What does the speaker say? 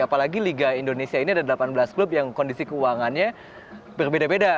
apalagi liga indonesia ini ada delapan belas klub yang kondisi keuangannya berbeda beda